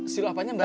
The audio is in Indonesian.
silau apanya mbak